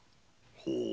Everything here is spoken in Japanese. ほう。